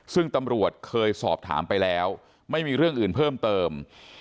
ซึ่งตำรวจเคยสอบถามไปแล้วไม่มีเรื่องอื่นเพิ่มเติม